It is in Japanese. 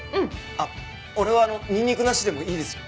あっ俺はニンニクなしでもいいですよ。